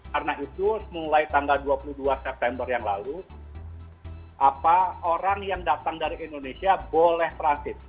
karena itu mulai tanggal dua puluh dua september yang lalu orang yang datang dari indonesia boleh transit